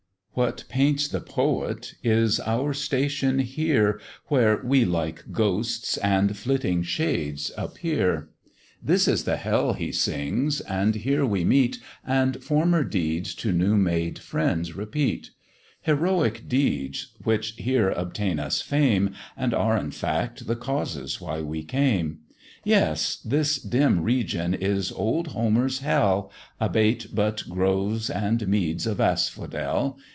"What paints the poet, is our station here, Where we like ghosts and flitting shades appear: This is the hell he sings, and here we meet, And former deeds to new made friends repeat; Heroic deeds, which here obtain us fame, And are in fact the causes why we came: Yes! this dim region is old Homer's hell, Abate but groves and meads of asphodel.